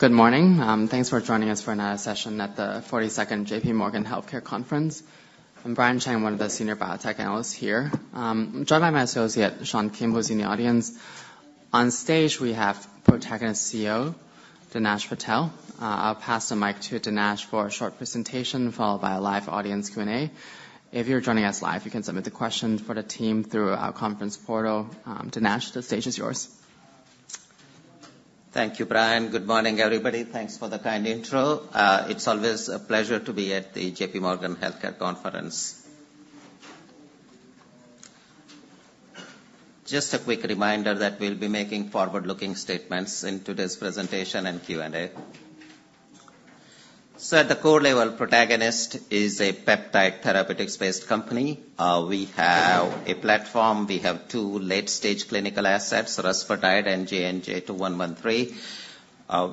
Good morning. Thanks for joining us for another session at the 42nd JPMorgan Healthcare Conference. I'm Brian Cheng, one of the senior biotech analysts here. Joined by my associate, Sean Kim, who's in the audience. On stage, we have Protagonist CEO, Dinesh Patel. I'll pass the mic to Dinesh for a short presentation, followed by a live audience Q&A. If you're joining us live, you can submit the question for the team through our conference portal. Dinesh, the stage is yours. Thank you, Brian. Good morning, everybody. Thanks for the kind intro. It's always a pleasure to be at the JPMorgan Healthcare Conference. Just a quick reminder that we'll be making forward-looking statements in today's presentation and Q&A. So at the core level, Protagonist is a peptide therapeutics-based company. We have a platform. We have two late-stage clinical assets, rusfertide and JNJ-2113,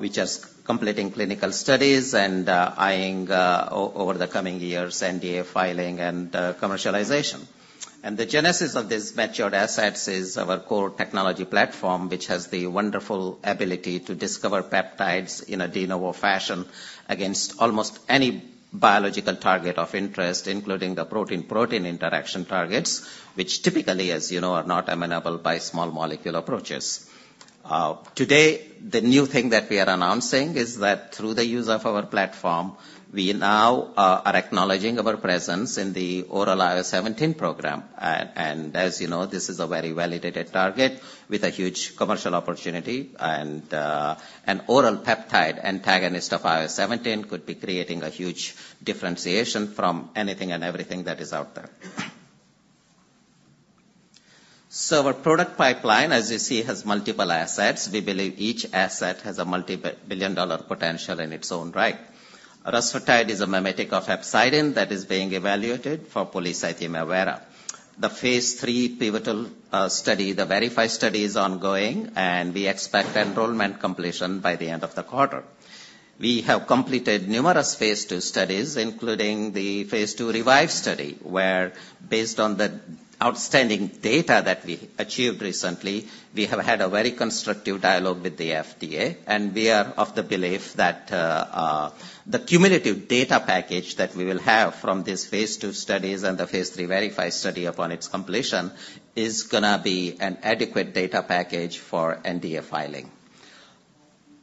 which is completing clinical studies and, eyeing over the coming years, NDA filing and, commercialization. And the genesis of this mature assets is our core technology platform, which has the wonderful ability to discover peptides in a de novo fashion against almost any biological target of interest, including the protein-protein interaction targets, which typically, as you know, are not amenable by small molecule approaches. Today, the new thing that we are announcing is that through the use of our platform, we now are acknowledging our presence in the oral IL-17 program. And as you know, this is a very validated target with a huge commercial opportunity and an oral peptide antagonist of IL-17 could be creating a huge differentiation from anything and everything that is out there. So our product pipeline, as you see, has multiple assets. We believe each asset has a multi-billion-dollar potential in its own right. Rusfertide is a mimetic of hepcidin that is being evaluated for polycythemia vera. The phase III pivotal study, the VERIFY study, is ongoing, and we expect enrollment completion by the end of the quarter. We have completed numerous phase II studies, including the phase II REVIVE study, where, based on the outstanding data that we achieved recently, we have had a very constructive dialogue with the FDA. And we are of the belief that the cumulative data package that we will have from these phase II studies and the phase III VERIFY study upon its completion, is gonna be an adequate data package for NDA filing.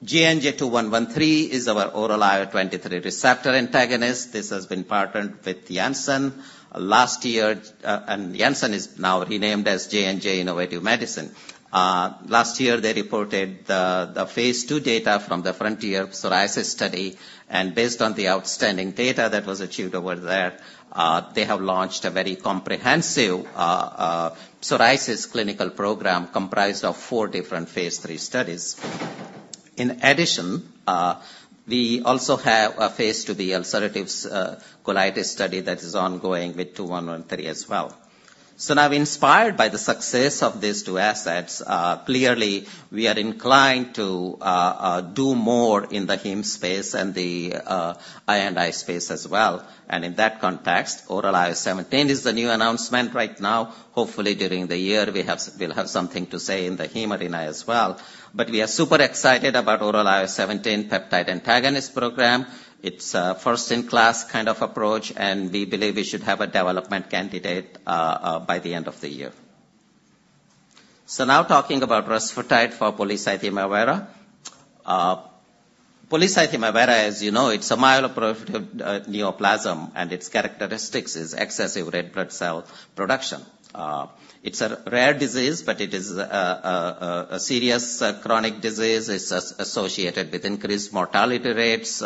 JNJ-2113 is our oral IL-23 receptor antagonist. This has been partnered with Janssen last year, and Janssen is now renamed as J&J Innovative Medicine. Last year, they reported the phase II data from the Frontier psoriasis study, and based on the outstanding data that was achieved over there, they have launched a very comprehensive psoriasis clinical program comprised of four different phase III studies. In addition, we also have a phase IIb ulcerative colitis study that is ongoing with JNJ-2113 as well. So now, inspired by the success of these two assets, clearly we are inclined to do more in the heme space and the I&I space as well. And in that context, oral IL-17 is the new announcement right now. Hopefully, during the year, we'll have something to say in the heme arena as well. But we are super excited about oral IL-17 peptide antagonist program. It's a first-in-class kind of approach, and we believe we should have a development candidate by the end of the year. So now talking about rusfertide for polycythemia vera. Polycythemia vera, as you know, it's a myeloproliferative neoplasm, and its characteristics is excessive red blood cell production. It's a rare disease, but it is a serious chronic disease. It's associated with increased mortality rates,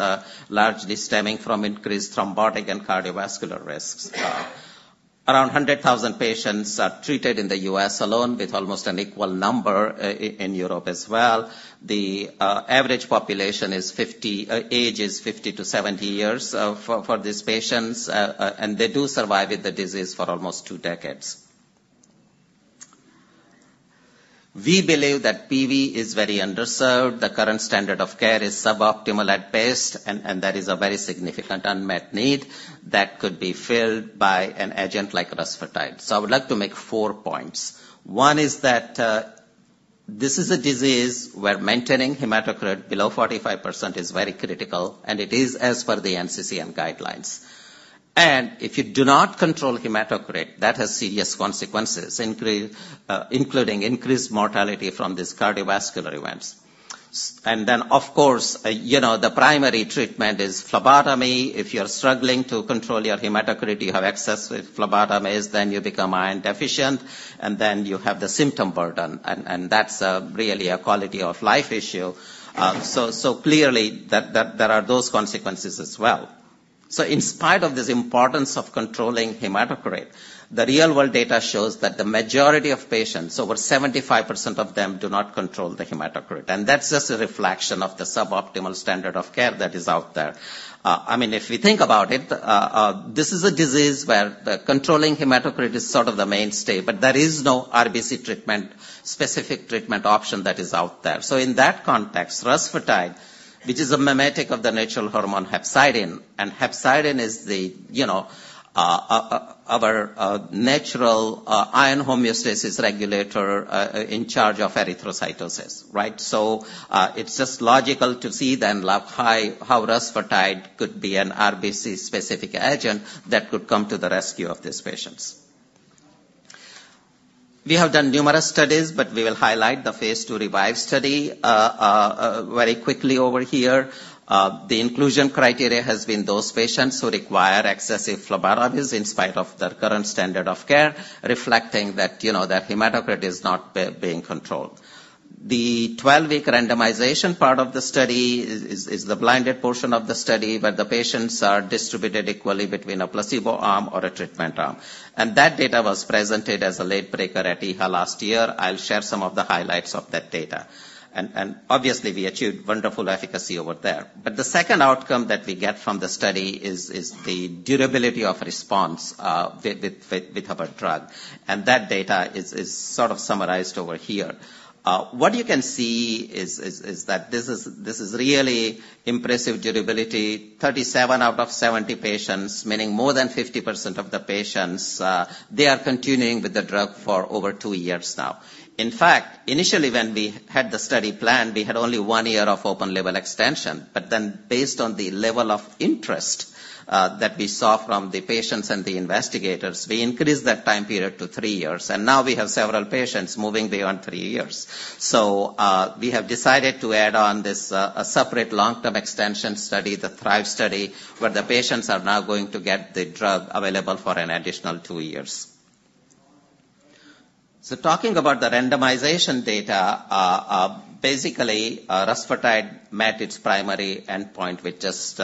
largely stemming from increased thrombotic and cardiovascular risks. Around 100,000 patients are treated in the U.S. alone, with almost an equal number in Europe as well. The average population age is 50-70 years for these patients, and they do survive with the disease for almost two decades. We believe that PV is very underserved. The current standard of care is suboptimal at best, and there is a very significant unmet need that could be filled by an agent like rusfertide. So I would like to make four points. One is that this is a disease where maintaining hematocrit below 45% is very critical, and it is as per the NCCN guidelines. And if you do not control hematocrit, that has serious consequences, including increased mortality from these cardiovascular events. And then, of course, you know, the primary treatment is phlebotomy. If you're struggling to control your hematocrit, you have excessive phlebotomies, then you become iron deficient, and then you have the symptom burden, and that's really a quality-of-life issue. So clearly, that there are those consequences as well. So in spite of this importance of controlling hematocrit, the real-world data shows that the majority of patients, over 75% of them, do not control the hematocrit, and that's just a reflection of the suboptimal standard of care that is out there. I mean, if we think about it, this is a disease where controlling hematocrit is sort of the mainstay, but there is no RBC treatment, specific treatment option that is out there. So in that context, rusfertide, which is a mimetic of the natural hormone hepcidin, and hepcidin is the, you know, our natural iron homeostasis regulator in charge of erythrocytosis, right? So, it's just logical to see then, like, how rusfertide could be an RBC-specific agent that could come to the rescue of these patients. We have done numerous studies, but we will highlight the phase II REVIVE study very quickly over here. The inclusion criteria has been those patients who require excessive phlebotomies in spite of their current standard of care, reflecting that, you know, their hematocrit is not being controlled. The 12-week randomization part of the study is the blinded portion of the study, where the patients are distributed equally between a placebo arm or a treatment arm, and that data was presented as a late breaker at EHA last year. I'll share some of the highlights of that data. Obviously, we achieved wonderful efficacy over there. But the second outcome that we get from the study is the durability of response with our drug, and that data is sort of summarized over here. What you can see is that this is really impressive durability, 37 out of 70 patients, meaning more than 50% of the patients, they are continuing with the drug for over two years now. In fact, initially when we had the study planned, we had only one year of open-label extension. But then based on the level of interest that we saw from the patients and the investigators, we increased that time period to three years, and now we have several patients moving beyond three years. So, we have decided to add on this a separate long-term extension study, the THRIVE study, where the patients are now going to get the drug available for an additional two years. So talking about the randomization data, basically, rusfertide met its primary endpoint with just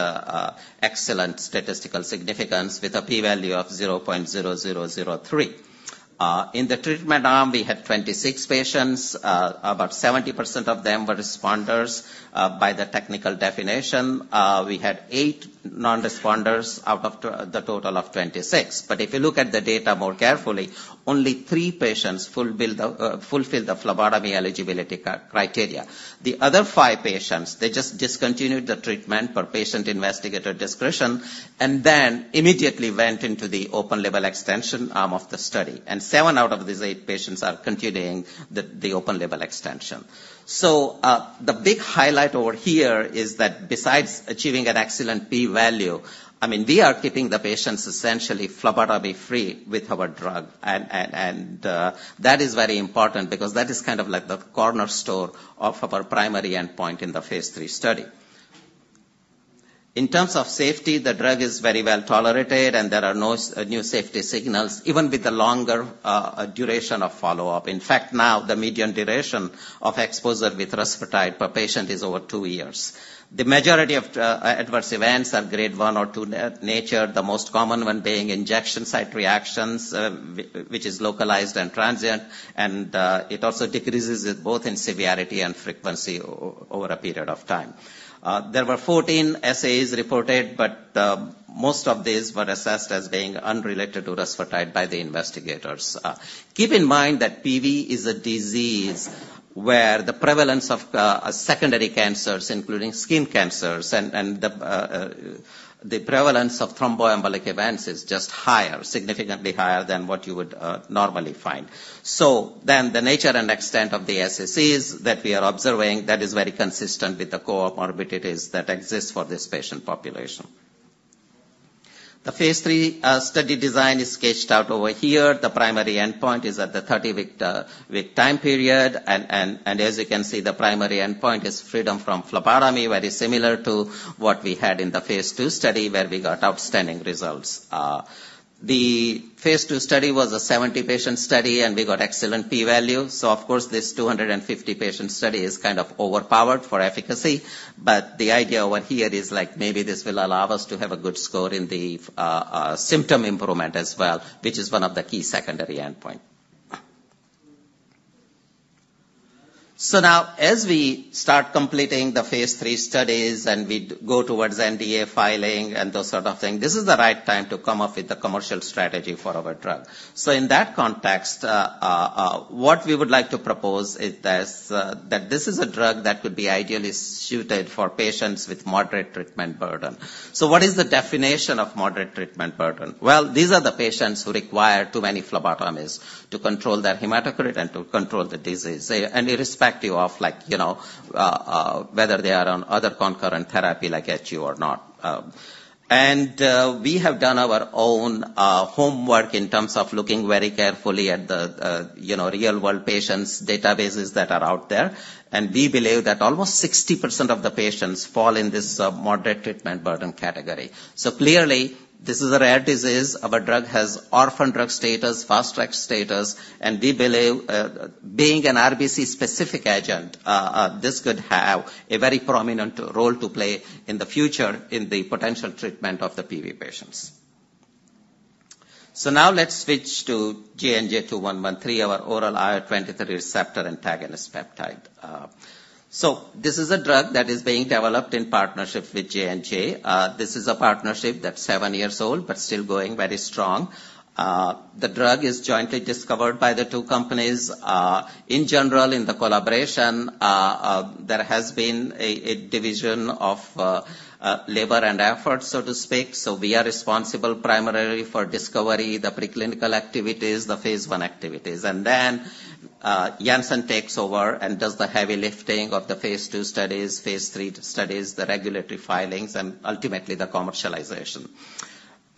excellent statistical significance, with a P value of 0.0003. In the treatment arm, we had 26 patients. About 70% of them were responders by the technical definition. We had 8 non-responders out of the total of 26. But if you look at the data more carefully, only three patients fulfilled the fulfilled the phlebotomy eligibility criteria. The other five patients, they just discontinued the treatment per patient investigator discretion, and then immediately went into the open-label extension arm of the study. And seven out of these eight patients are continuing the the open-label extension. So, the big highlight over here is that besides achieving an excellent P value, I mean, we are keeping the patients essentially phlebotomy-free with our drug. And that is very important because that is kind of like the cornerstone of our primary endpoint in the phase III study. In terms of safety, the drug is very well tolerated, and there are no new safety signals, even with the longer duration of follow-up. In fact, now the median duration of exposure with rusfertide per patient is over two years. The majority of adverse events are grade one or two nature, the most common one being injection site reactions, which is localized and transient, and it also decreases both in severity and frequency over a period of time. There were 14 SAEs reported, but most of these were assessed as being unrelated to rusfertide by the investigators. Keep in mind that PV is a disease where the prevalence of secondary cancers, including skin cancers, and the prevalence of thromboembolic events, is just higher, significantly higher than what you would normally find. So then the nature and extent of the SAEs that we are observing, that is very consistent with the co-morbidities that exist for this patient population. The phase III study design is sketched out over here. The primary endpoint is at the 30-week week time period, and as you can see, the primary endpoint is freedom from phlebotomy, very similar to what we had in the phase II study, where we got outstanding results. The phase II study was a 70-patient study, and we got excellent P value. So of course, this 250-patient study is kind of overpowered for efficacy. But the idea over here is, like, maybe this will allow us to have a good score in the symptom improvement as well, which is one of the key secondary endpoint. So now, as we start completing the phase III studies and we go towards NDA filing and those sort of things, this is the right time to come up with a commercial strategy for our drug. So in that context, what we would like to propose is this, that this is a drug that could be ideally suited for patients with moderate treatment burden. So what is the definition of moderate treatment burden? Well, these are the patients who require too many phlebotomies to control their hematocrit and to control the disease. And irrespective of, like, you know, whether they are on other concurrent therapy like HU or not. We have done our own homework in terms of looking very carefully at the you know, real-world patients' databases that are out there, and we believe that almost 60% of the patients fall in this moderate treatment burden category. So clearly, this is a rare disease. Our drug has orphan drug status, fast track status, and we believe being an RBC-specific agent this could have a very prominent role to play in the future in the potential treatment of the PV patients. So now let's switch to JNJ-2113, our oral IL-23 receptor antagonist peptide. So this is a drug that is being developed in partnership with J&J. This is a partnership that's seven years old but still going very strong. The drug is jointly discovered by the two companies. In general, in the collaboration, there has been a division of labor and effort, so to speak. So we are responsible primarily for discovery, the preclinical activities, the phase I activities, and then Janssen takes over and does the heavy lifting of the phase II studies, phase III studies, the regulatory filings, and ultimately the commercialization.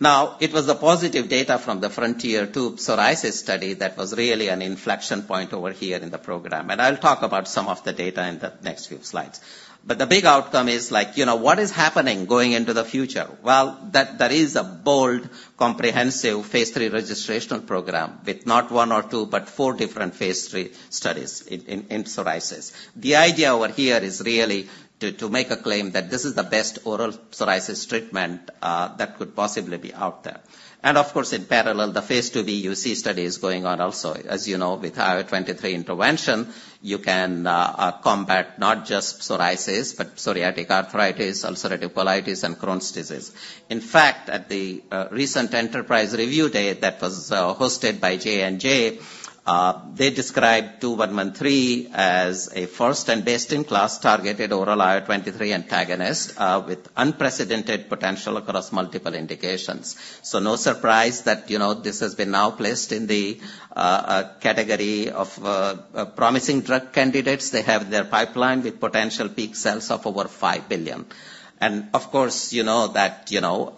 Now, it was the positive data from the Frontier-2 psoriasis study that was really an inflection point over here in the program, and I'll talk about some of the data in the next few slides. But the big outcome is, like, you know, what is happening going into the future? Well, that there is a bold, comprehensive phase III registration program with not one or two, but four different phase III studies in psoriasis. The idea over here is really to make a claim that this is the best oral psoriasis treatment that could possibly be out there. Of course, in parallel, the phase 2b UC study is going on also. As you know, with IL-23 intervention, you can combat not just psoriasis, but psoriatic arthritis, ulcerative colitis, and Crohn's disease. In fact, at the recent Enterprise Review Day that was hosted by J&J, they described JNJ-2113 as a first and best-in-class targeted oral IL-23 antagonist with unprecedented potential across multiple indications. No surprise that, you know, this has been now placed in the category of promising drug candidates. They have their pipeline with potential peak sales of over $5 billion. And of course, you know that, you know,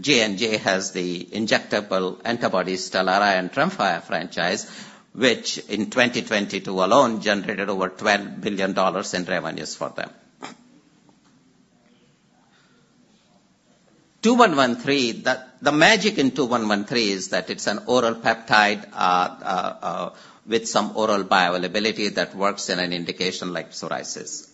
J&J has the injectable antibody STELARA and TREMFYA franchise, which in 2022 alone, generated over $12 billion in revenues for them. JNJ-2113, the magic in JNJ-2113 is that it's an oral peptide with some oral bioavailability that works in an indication like psoriasis.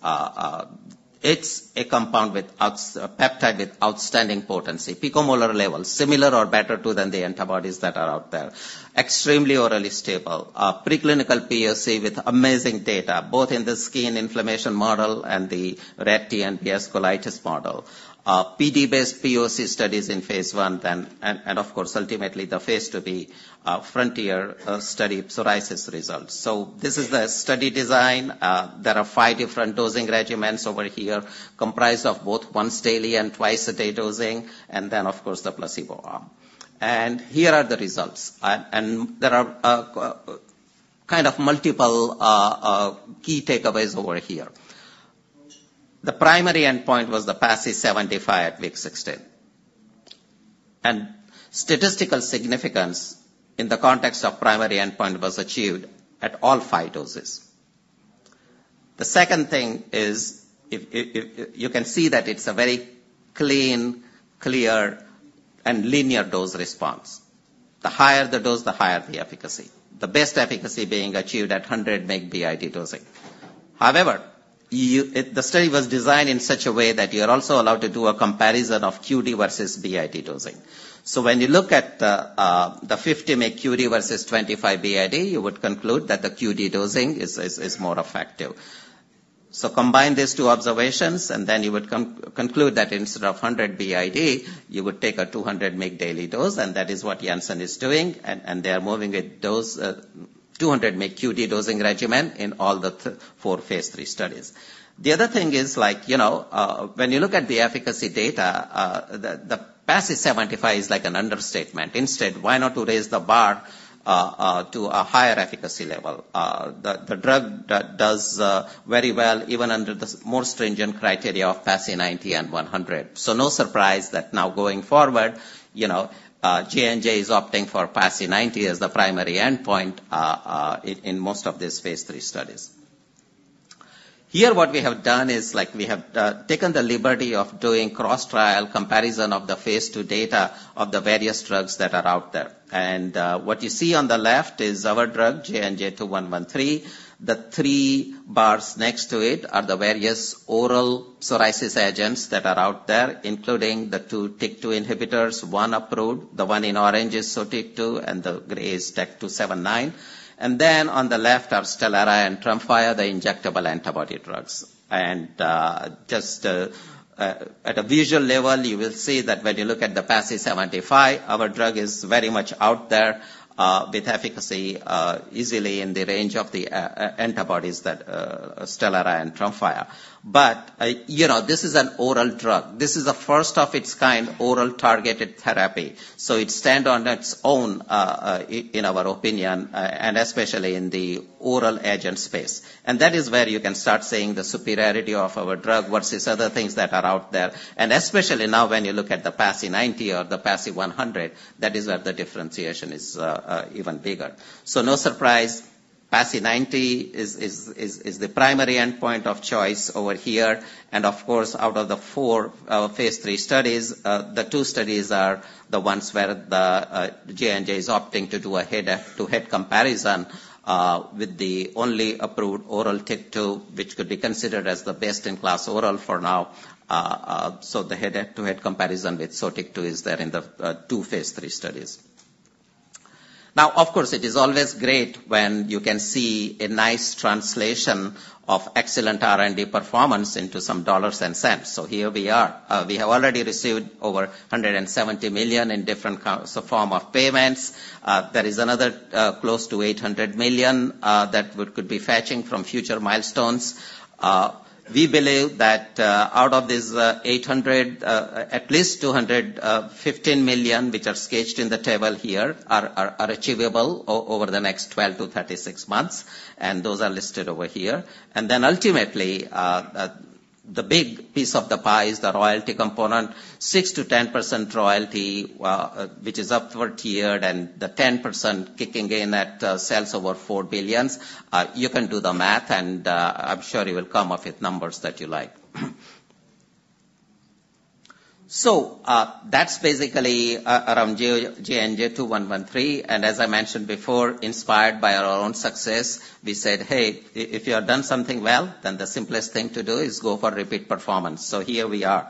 It's a peptide with outstanding potency, picomolar level, similar or better to than the antibodies that are out there. Extremely orally stable. Preclinical POC with amazing data, both in the skin inflammation model and the rat and PS colitis model. PD-based POC studies in phase I, and of course, ultimately, the phase II B Frontier study psoriasis results. So this is the study design. There are five different dosing regimens over here, comprised of both once daily and twice a day dosing, and then, of course, the placebo arm. Here are the results. There are kind of multiple key takeaways over here. The primary endpoint was the PASI 75 at week 16, and statistical significance in the context of primary endpoint was achieved at all five doses. The second thing is, if you can see that it's a very clean, clear, and linear dose response. The higher the dose, the higher the efficacy. The best efficacy being achieved at 100 mg BID dosing. However, the study was designed in such a way that you're also allowed to do a comparison of QD versus BID dosing. So when you look at the 50 mg QD versus 25 BID, you would conclude that the QD dosing is more effective. So combine these two observations, and then you would conclude that instead of 100 BID, you would take a 200 mg daily dose, and that is what Janssen is doing, and they are moving a dose 200 mg QD dosing regimen in all the four phase III studies. The other thing is, like, you know, when you look at the efficacy data, the PASI 75 is like an understatement. Instead, why not raise the bar to a higher efficacy level? The drug does very well, even under the more stringent criteria of PASI 90 and 100. So no surprise that now going forward, you know, J&J is opting for PASI 90 as the primary endpoint in most of these phase III studies. Here what we have done is, like, we have taken the liberty of doing cross-trial comparison of the phase II data of the various drugs that are out there. And what you see on the left is our drug, JNJ-2113. The three bars next to it are the various oral psoriasis agents that are out there, including the two TYK2 inhibitors, one approved. The one in orange is SOTYKTU, and the gray is TAK279. And then on the left are STELARA and TREMFYA, the injectable antibody drugs. At a visual level, you will see that when you look at the PASI 75, our drug is very much out there with efficacy easily in the range of the antibodies that STELARA and TREMFYA. But you know, this is an oral drug. This is a first of its kind oral targeted therapy, so it stand on its own in our opinion and especially in the oral agent space. And that is where you can start seeing the superiority of our drug versus other things that are out there. And especially now, when you look at the PASI 90 or the PASI 100, that is where the differentiation is even bigger. So no surprise, PASI 90 is the primary endpoint of choice over here. Of course, out of the four phase III studies, the two studies are the ones where the J&J is opting to do a head-to-head comparison with the only approved oral TYK2, which could be considered as the best-in-class oral for now. So the head-to-head comparison with SOTYKTU is there in the two phase III studies. Now, of course, it is always great when you can see a nice translation of excellent R&D performance into some dollars and cents. So here we are. We have already received over $170 million in different forms of payments. There is another close to $800 million that we could be fetching from future milestones. We believe that out of this 800, at least 215 million, which are sketched in the table here, are achievable over the next 12-36 months, and those are listed over here. Then ultimately, the big piece of the pie is the royalty component, 6%-10% royalty, which is upward tiered and the 10% kicking in at sales over $4 billion. You can do the math, and I'm sure you will come up with numbers that you like. So, that's basically around JNJ-2113, and as I mentioned before, inspired by our own success, we said, "Hey, if you have done something well, then the simplest thing to do is go for repeat performance." So here we are.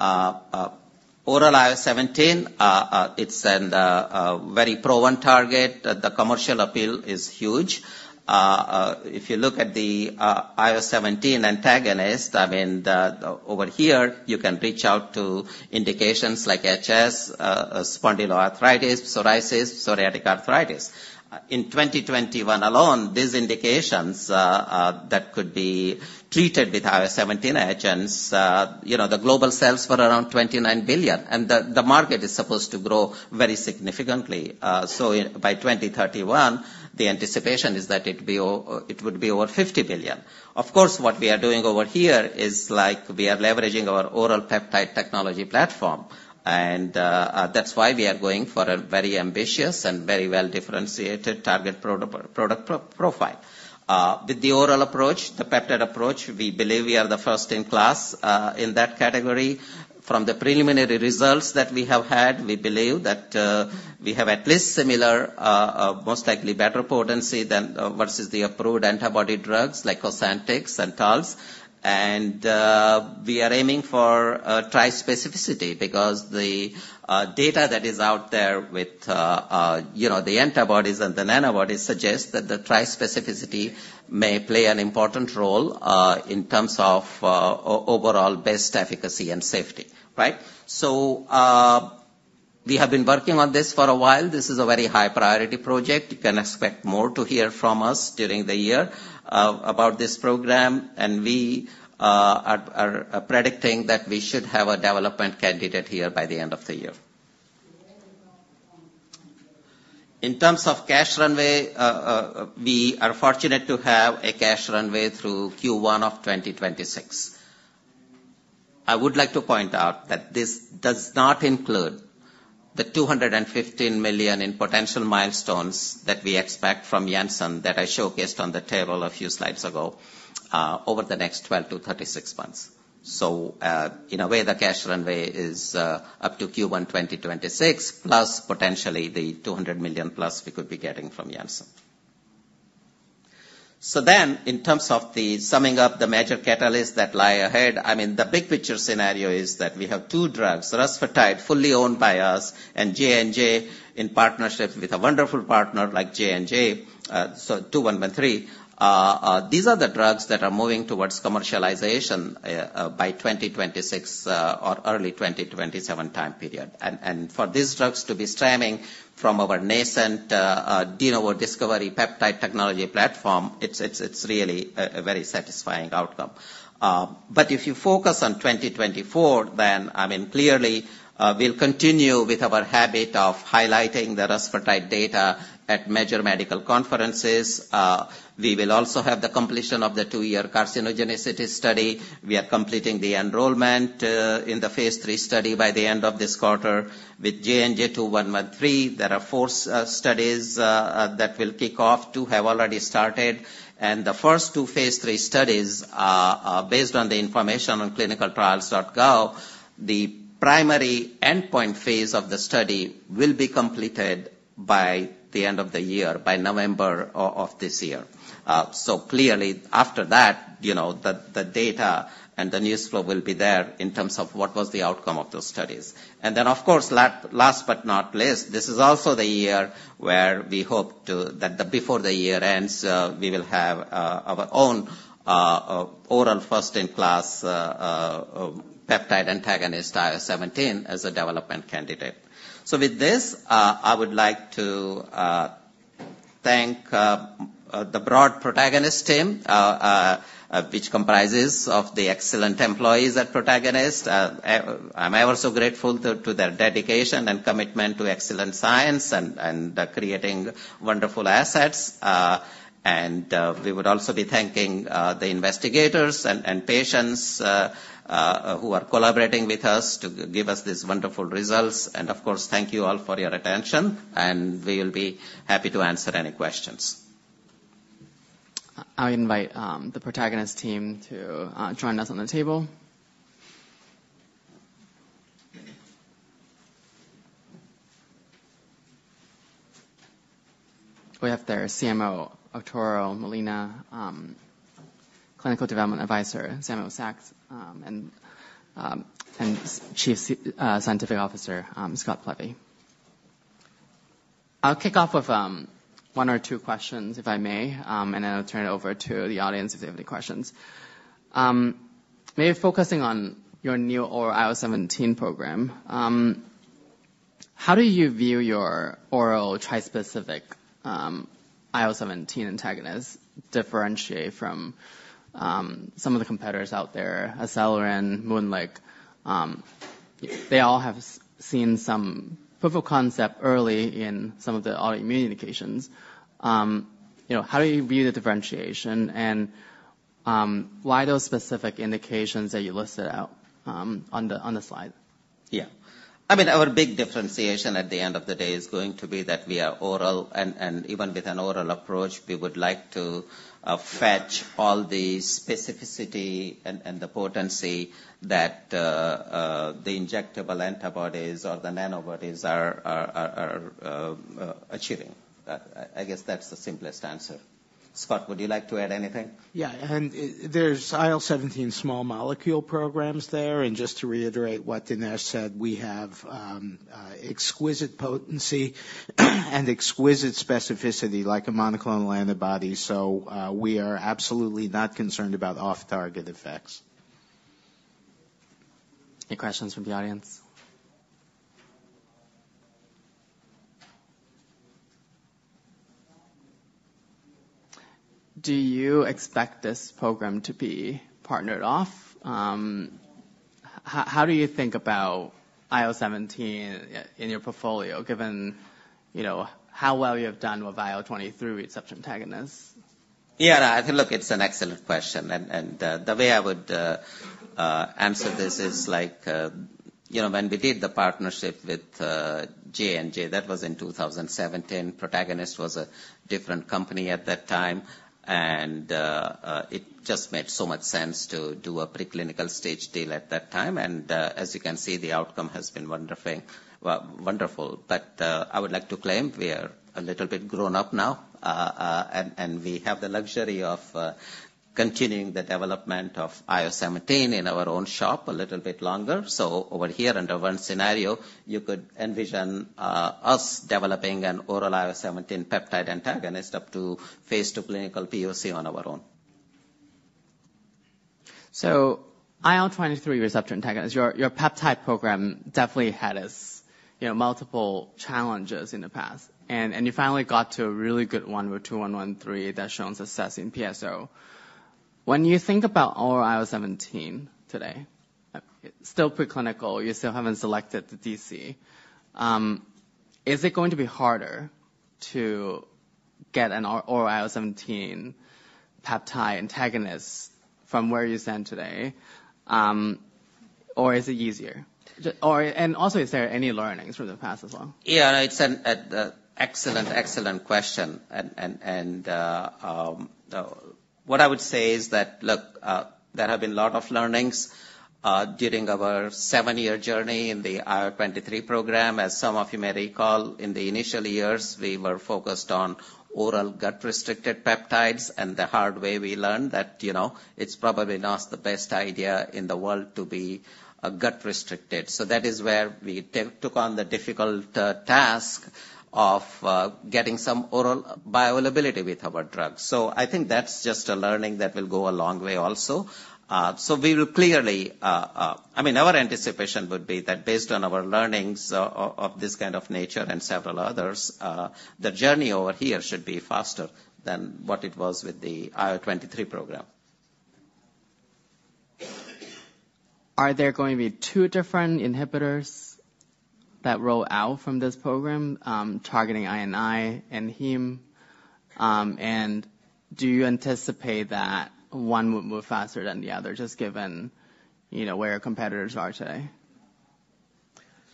Oral IL-17, it's a very pro and target. The commercial appeal is huge. If you look at the IL-17 antagonist, I mean, over here, you can reach out to indications like HS, spondyloarthritis, psoriasis, psoriatic arthritis. In 2021 alone, these indications that could be treated with IL-17 agents, you know, the global sales were around $29 billion, and the market is supposed to grow very significantly. So in by 2031, the anticipation is that it would be over $50 billion. Of course, what we are doing over here is like we are leveraging our oral peptide technology platform, and that's why we are going for a very ambitious and very well-differentiated target product profile. With the oral approach, the peptide approach, we believe we are the first in class, in that category. From the preliminary results that we have had, we believe that, we have at least similar, most likely better potency than versus the approved antibody drugs like Cosentyx and Taltz. And, we are aiming for trispecificity, because the data that is out there with, you know, the antibodies and the nanobodies suggest that the trispecificity may play an important role, in terms of overall best efficacy and safety, right? So, we have been working on this for a while. This is a very high priority project. You can expect more to hear from us during the year about this program, and we are predicting that we should have a development candidate here by the end of the year. In terms of cash runway, we are fortunate to have a cash runway through Q1 of 2026. I would like to point out that this does not include the $215 million in potential milestones that we expect from Janssen, that I showcased on the table a few slides ago, over the next 12-36 months. So, in a way, the cash runway is up to Q1 2026, plus potentially the $200 million-plus we could be getting from Janssen. So then, in terms of the summing up the major catalysts that lie ahead, I mean, the big picture scenario is that we have two drugs, rusfertide, fully owned by us, and JNJ-2113 in partnership with a wonderful partner like JNJ. These are the drugs that are moving towards commercialization by 2026 or early 2027 time period. And for these drugs to be stemming from our nascent de novo discovery peptide technology platform, it's really a very satisfying outcome. But if you focus on 2024, then, I mean, clearly, we'll continue with our habit of highlighting the rusfertide data at major medical conferences. We will also have the completion of the two year carcinogenicity study. We are completing the enrollment in the phase III study by the end of this quarter. With JNJ-2113, there are four studies that will kick off. Two have already started, and the first two phase III studies are based on the information on ClinicalTrials.gov. The primary endpoint phase of the study will be completed by the end of the year, by November of this year. So clearly after that, you know, the data and the news flow will be there in terms of what was the outcome of those studies. And then, of course, last but not least, this is also the year where we hope to that before the year ends, we will have our own oral first-in-class peptide antagonist, IL-17, as a development candidate. So with this, I would like to thank the broad Protagonist team, which comprises of the excellent employees at Protagonist. I'm also grateful to their dedication and commitment to excellent science and creating wonderful assets. We would also be thanking the investigators and patients who are collaborating with us to give us these wonderful results. And of course, thank you all for your attention, and we will be happy to answer any questions. I'll invite the Protagonist team to join us on the table. We have their CMO, Arturo Molina, Clinical Development Advisor, Samuel Saks, and Chief Scientific Officer, Scott Plevy. I'll kick off with one or two questions, if I may, and then I'll turn it over to the audience, if they have any questions. Maybe focusing on your new oral IL-17 program. How do you view your oral trispecific IL-17 antagonist differentiate from some of the competitors out there, Acelyrin and MoonLake? They all have seen some proof of concept early in some of the autoimmune indications. You know, how do you view the differentiation? And why those specific indications that you listed out on the slide? Yeah. I mean, our big differentiation at the end of the day is going to be that we are oral, and even with an oral approach, we would like to fetch all the specificity and the potency that the injectable antibodies or the nanobodies are achieving. I guess that's the simplest answer. Scott, would you like to add anything? Yeah, and there's IL-17 small molecule programs there. And just to reiterate what Dinesh said, we have exquisite potency and exquisite specificity, like a monoclonal antibody. So, we are absolutely not concerned about off-target effects. Any questions from the audience? Do you expect this program to be partnered off? How do you think about IL-17 in your portfolio, given, you know, how well you have done with IL-23 receptor antagonists? Yeah, I think, look, it's an excellent question, and the way I would answer this is like, you know, when we did the partnership with J&J, that was in 2017. Protagonist was a different company at that time, and it just made so much sense to do a preclinical stage deal at that time. And as you can see, the outcome has been wonderful, well, wonderful. But I would like to claim we are a little bit grown up now, and we have the luxury of continuing the development of IL-17 in our own shop a little bit longer. So over here, under one scenario, you could envision us developing an oral IL-17 peptide antagonist up to phase II clinical POC on our own. So IL-23 receptor antagonist, your peptide program definitely had its, you know, multiple challenges in the past, and you finally got to a really good one with JNJ-2113 that's shown success in PSO. When you think about oral IL-17 today, it's still preclinical, you still haven't selected the DC. Is it going to be harder to get an oral IL-17 peptide antagonist from where you stand today, or is it easier? Or and also, is there any learnings from the past as well? Yeah, it's an excellent, excellent question. And what I would say is that, look, there have been a lot of learnings during our seven-year journey in the IL-23 program. As some of you may recall, in the initial years, we were focused on oral gut-restricted peptides, and the hard way we learned that, you know, it's probably not the best idea in the world to be gut restricted. So that is where we took on the difficult task of getting some oral bioavailability with our drugs. So I think that's just a learning that will go a long way also. So we will clearly... I mean, our anticipation would be that based on our learnings of this kind of nature and several others, the journey over here should be faster than what it was with the IL-23 program. Are there going to be two different inhibitors that roll out from this program, targeting I&I and Heme? And do you anticipate that one would move faster than the other, just given, you know, where our competitors are today?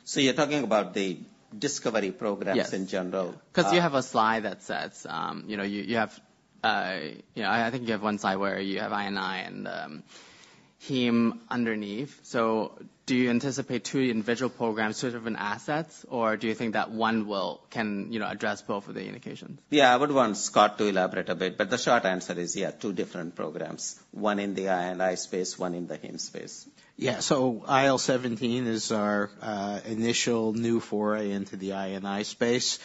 So you're talking about the discovery programs- Yes. -in general? 'Cause you have a slide that says, you know, I think you have one slide where you have I&I and Heme underneath. So do you anticipate two individual programs, two different assets, or do you think that one will can, you know, address both of the indications? Yeah, I would want Scott to elaborate a bit, but the short answer is, yeah, two different programs, one in the I&I space, one in the Heme space. Yeah. So IL-17 is our initial new foray into the I&I space.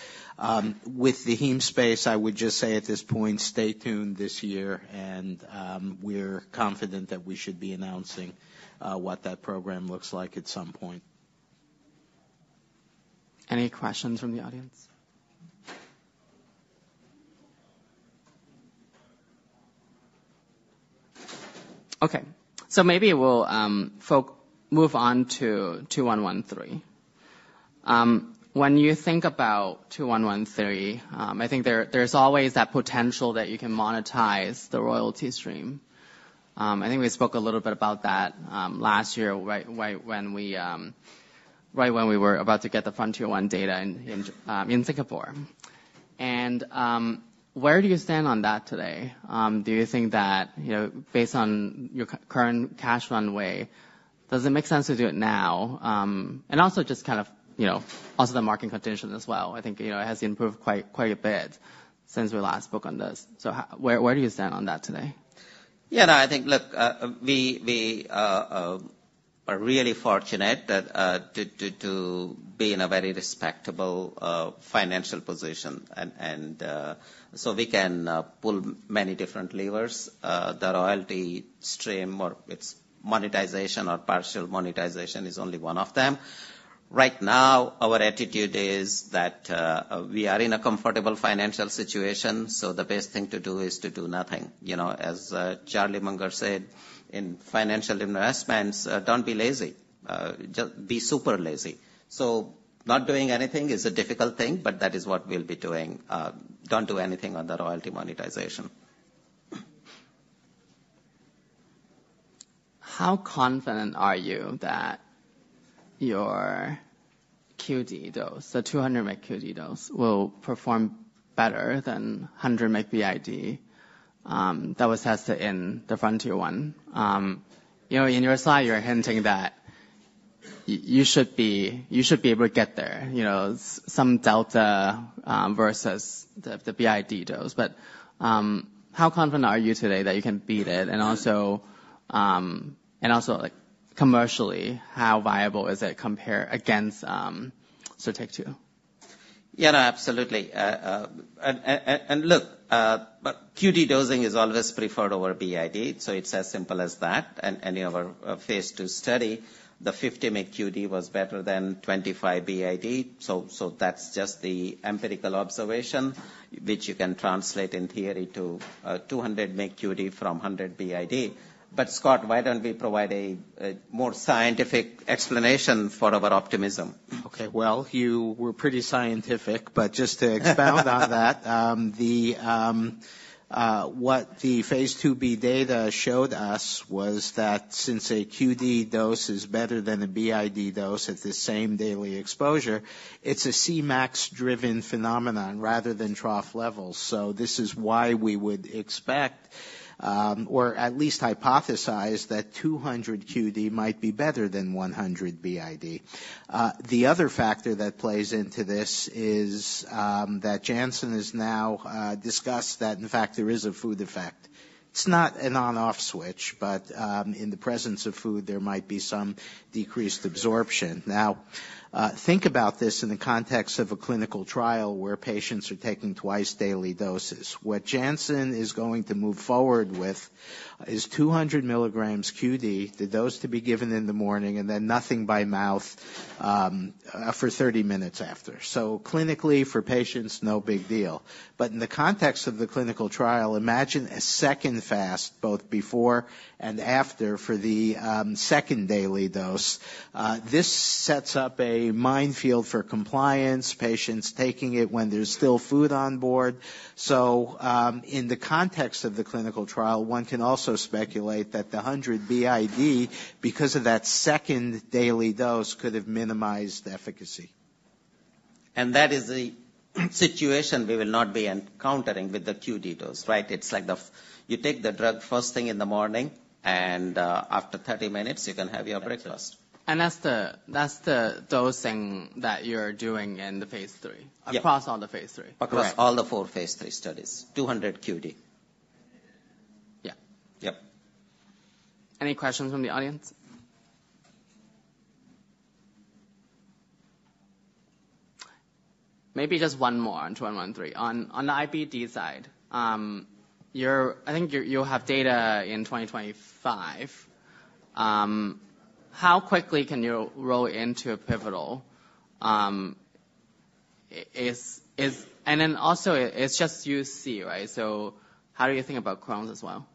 With the heme space, I would just say at this point, stay tuned this year, and we're confident that we should be announcing what that program looks like at some point. Any questions from the audience? Okay, so maybe we'll move on to 2113. When you think about 2113, I think there's always that potential that you can monetize the royalty stream. I think we spoke a little bit about that last year, right, right when we were about to get the Frontier-1 data in Singapore. And where do you stand on that today? Do you think that, you know, based on your current cash runway, does it make sense to do it now? And also just kind of, you know, also the market condition as well. I think, you know, it has improved quite, quite a bit since we last spoke on this. So where do you stand on that today? Yeah, no, I think, look, we are really fortunate that to be in a very respectable financial position. And so we can pull many different levers, the royalty stream or its monetization or partial monetization is only one of them. Right now, our attitude is that we are in a comfortable financial situation, so the best thing to do is to do nothing. You know, as Charlie Munger said, "In financial investments, don't be lazy. Just be super lazy." So not doing anything is a difficult thing, but that is what we'll be doing. Don't do anything on the royalty monetization. How confident are you that your QD dose, the 200 mg QD dose, will perform better than 100 mg BID, that was tested in the Frontier-1? You know, in your slide, you're hinting that you should be, you should be able to get there, you know, some delta, versus the, the BID dose. But, how confident are you today that you can beat it? And also, and also, like, commercially, how viable is it compared against, Sotyktu? Yeah, absolutely. But QD dosing is always preferred over BID, so it's as simple as that. In any of our phase II study, the 50 mg QD was better than 25 BID. So that's just the empirical observation, which you can translate in theory to 200 mg QD from 100 BID. But Scott, why don't we provide a more scientific explanation for our optimism? Okay. Well, you were pretty scientific, but just to expound on that, what the phase II Bdata showed us was that since a QD dose is better than a BID dose at the same daily exposure, it's a Cmax-driven phenomenon rather than trough levels. So this is why we would expect, or at least hypothesize, that 200 QD might be better than 100 BID. The other factor that plays into this is that Janssen has now discussed that, in fact, there is a food effect. It's not an on/off switch, but in the presence of food, there might be some decreased absorption. Now, think about this in the context of a clinical trial where patients are taking twice daily doses. What Janssen is going to move forward with is 200 milligrams QD, the dose to be given in the morning, and then nothing by mouth, for 30 minutes after. So clinically, for patients, no big deal. But in the context of the clinical trial, imagine a second fast, both before and after, for the second daily dose. This sets up a minefield for compliance, patients taking it when there's still food on board. So, in the context of the clinical trial, one can also speculate that the 100 BID, because of that second daily dose, could have minimized efficacy. That is the situation we will not be encountering with the QD dose, right? It's like you take the drug first thing in the morning, and after 30 minutes, you can have your breakfast. That's the dosing that you're doing in the phase 3- Yeah. Across all the phase three? Across all the four phase III studies, 200 QD. Yeah. Yep. Any questions from the audience? Maybe just one more on 2113. On, on the IBD side, you're—I think you're, you'll have data in 2025. How quickly can you roll into a pivotal, is, is... And then also, it's just UC, right? So how do you think about Crohn's as well?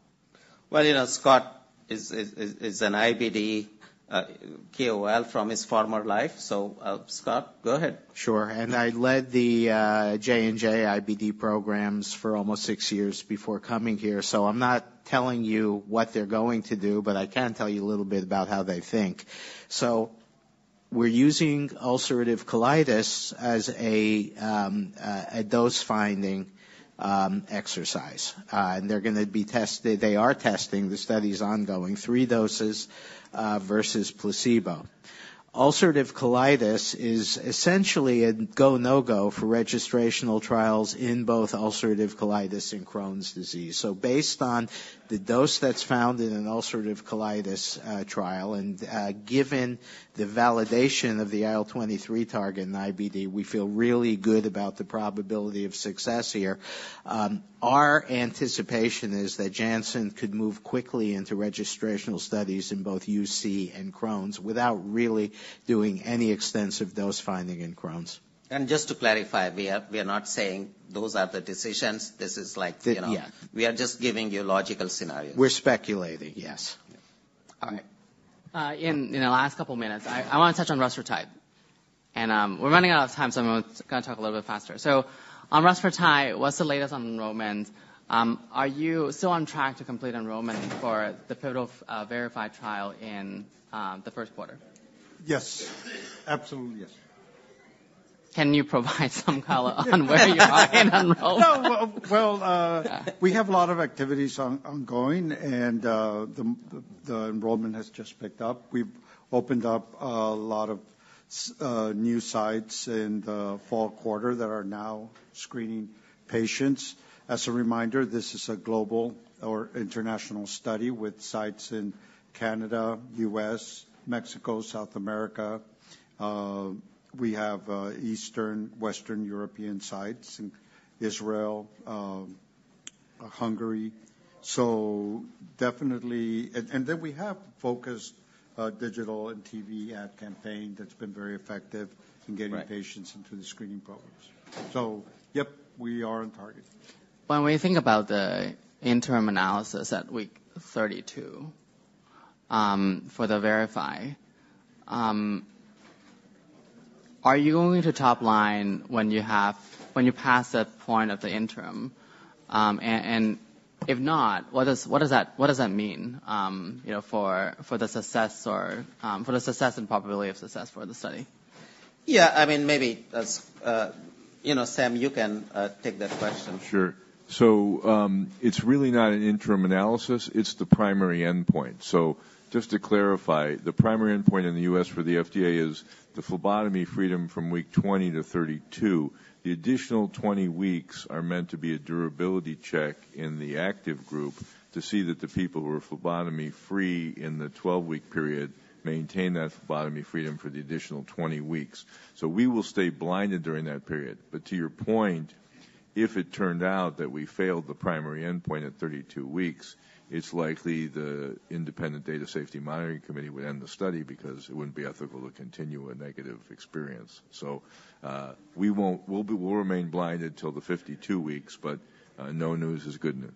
Well, you know, Scott is an IBD KOL from his former life. So, Scott, go ahead. Sure. I led the J&J IBD programs for almost six years before coming here. So I'm not telling you what they're going to do, but I can tell you a little bit about how they think. So we're using ulcerative colitis as a dose-finding exercise. And they are testing, the study's ongoing, three doses versus placebo. Ulcerative colitis is essentially a go, no-go for registrational trials in both ulcerative colitis and Crohn's disease. So based on the dose that's found in an ulcerative colitis trial and given the validation of the IL-23 target in IBD, we feel really good about the probability of success here. Our anticipation is that Janssen could move quickly into registrational studies in both UC and Crohn's, without really doing any extensive dose-finding in Crohn's. Just to clarify, we are not saying those are the decisions. This is like, you know- Yeah. We are just giving you logical scenarios. We're speculating, yes. All right. In the last couple minutes, I want to touch on rusfertide. We're running out of time, so I'm gonna talk a little bit faster. So on rusfertide, what's the latest on enrollment? Are you still on track to complete enrollment for the pivotal VERIFY trial in the first quarter? Yes. Absolutely, yes. Can you provide some color on where you are in enrollment? We have a lot of activities ongoing, and the enrollment has just picked up. We've opened up a lot of new sites in the fall quarter that are now screening patients. As a reminder, this is a global or international study with sites in Canada, U.S., Mexico, South America. We have Eastern, Western European sites in Israel and Hungary. So definitely, and then we have focused digital and TV ad campaign that's been very effective- Right. in getting patients into the screening programs. So yep, we are on target. When we think about the interim analysis at week 32, for the VERIFY, are you going to top line when you have—when you pass that point of the interim? And, and if not, what does, what does that, what does that mean, you know, for, for the success or, for the success and probability of success for the study? Yeah, I mean, maybe that's, you know, Sam, you can take that question. Sure. So, it's really not an interim analysis. It's the primary endpoint. So just to clarify, the primary endpoint in the U.S. for the FDA is the phlebotomy freedom from week 20 to 32. The additional 20 weeks are meant to be a durability check in the active group to see that the people who are phlebotomy-free in the 12-week period maintain that phlebotomy freedom for the additional 20 weeks. So we will stay blinded during that period. But to your point, if it turned out that we failed the primary endpoint at 32 weeks, it's likely the independent data safety monitoring committee would end the study because it wouldn't be ethical to continue a negative experience. So, we'll be, will remain blinded till the 52 weeks, but, no news is good news.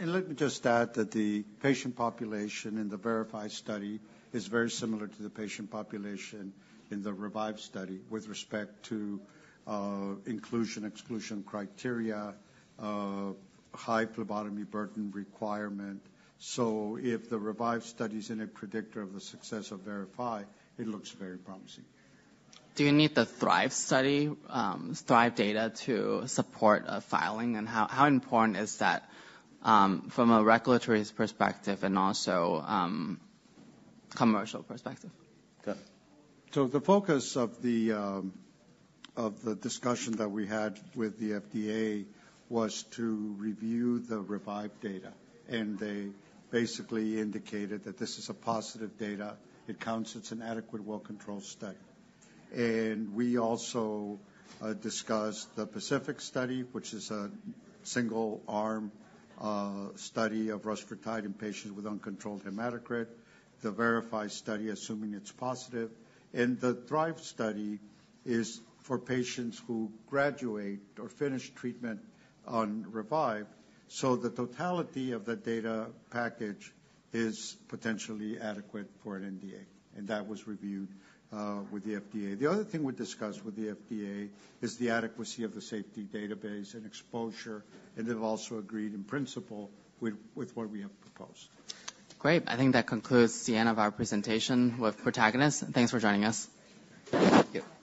Let me just add that the patient population in the VERIFY study is very similar to the patient population in the REVIVE study, with respect to inclusion, exclusion criteria, high phlebotomy burden requirement. So if the REVIVE study is any predictor of the success of VERIFY, it looks very promising. Do you need the THRIVE study, THRIVE data to support a filing? And how important is that, from a regulatory perspective and also, commercial perspective? Okay. So the focus of the discussion that we had with the FDA was to review the REVIVE data, and they basically indicated that this is a positive data. It counts. It's an adequate, well-controlled study. And we also discussed the PACIFIC study, which is a single-arm study of rusfertide in patients with uncontrolled hematocrit, the VERIFY study, assuming it's positive. And the THRIVE study is for patients who graduate or finish treatment on REVIVE. So the totality of the data package is potentially adequate for an NDA, and that was reviewed with the FDA. The other thing we discussed with the FDA is the adequacy of the safety database and exposure, and they've also agreed in principle with what we have proposed. Great. I think that concludes the end of our presentation with Protagonist. Thanks for joining us. Thank you.